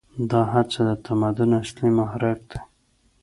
دا هڅه د تمدن اصلي محرک دی.